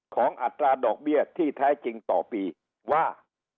อัตราดอกเบี้ยที่แท้จริงต่อปีว่า